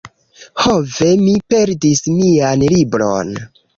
Ho ve! Mi perdis mian libron